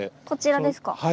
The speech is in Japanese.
こちらですか？